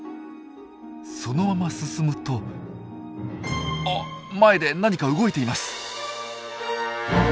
そのまま進むとあっ前で何か動いています！